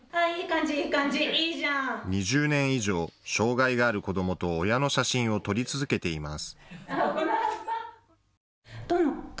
２０年以上、障害がある子どもと親の写真を撮り続けています。